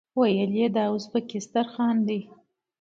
ویل یې دا ازبکي دسترخوان دی.